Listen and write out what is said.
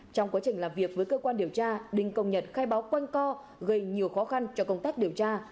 trong quá trình làm việc với cơ quan điều tra đinh công nhật khai báo quanh co gây nhiều khó khăn cho công tác điều tra